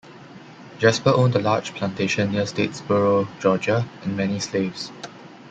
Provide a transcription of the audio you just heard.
Jasper owned a large plantation near Statesboro, Georgia, and many slaves.